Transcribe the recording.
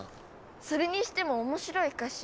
それにしても面白い歌詞。